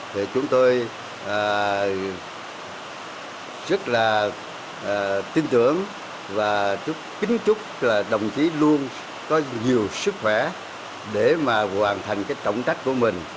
thì chúng tôi rất là tin tưởng và kính chúc là đồng chí luôn có nhiều sức khỏe để mà hoàn thành cái trọng trách của mình